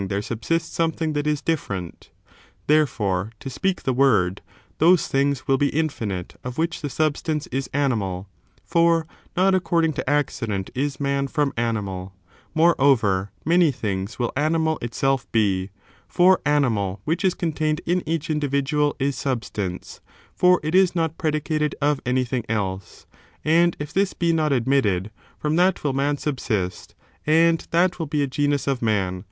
' Some U98. have the woxd &fMh«ra aftev oCaias, H.Zy.J ITS BBABINQ ON IDBALISIL 203 subsists something that is dififerent 1 Therefore, to speak the word, those things will be infinite of which the substance is animal; for not according to accident is man from animal : moreover, many things will animal itself be, for animal which is contained in each individual is substance, for it is not pre dicated of anything else. And if this be not admitted, from that will man subsist, and that will be a genus of man.